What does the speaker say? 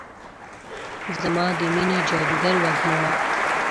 زما د میینې جادوګر وږمونه